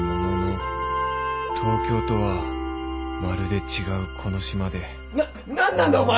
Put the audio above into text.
東京とはまるで違うこの島でな何なんだお前！？